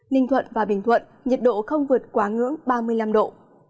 ninh thuận và bình thuận nhiệt độ không vượt quá ngưỡng ba mươi năm độ